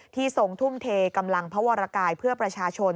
ทรงทุ่มเทกำลังพระวรกายเพื่อประชาชน